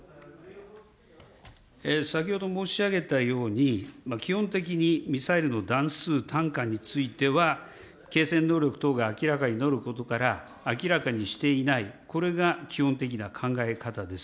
先ほど申し上げたように、基本的にミサイルの弾数、単価については、継戦能力等が明らかになることから明らかにしていない、これが基本的な考え方です。